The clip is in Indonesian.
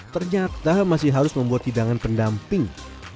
ternyata masih harus membuat hidangan pendamping